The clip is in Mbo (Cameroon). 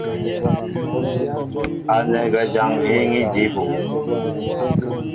Ánɛ́ gwɛ́ jǎn ŋ́ hííŋí jǐ bú.